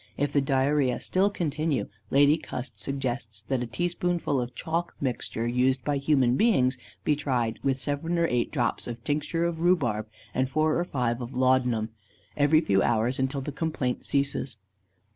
If the diarrhœa still continue, Lady Cust suggests that a teaspoonful of the chalk mixture used by human beings, be tried, with seven or eight drops of tincture of rhubarb, and four or five of laudanum, every few hours until the complaint ceases.